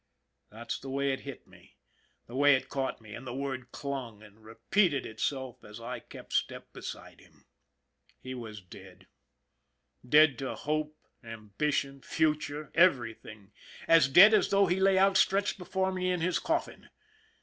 That's the way it hit me, the way it caught me, and the word clung and repeated itself as I kept step beside him. He was dead, dead to hope, ambition, future, every thing, as dead as though he lay outstretched before me in his coffin.